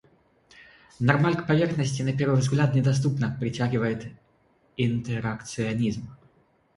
Нормаль к поверхности, на первый взгляд, недоступно притягивает интеракционизм.